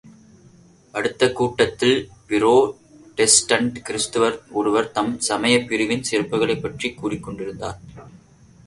அடுத்த கூட்டத்தில் பிராடெஸ்டண்ட் கிருத்துவர் ஒருவர், தம் சமயப் பிரிவின் சிறப்புக்களைப் பற்றிக் கூறிக் கொண்டிருந்தார்.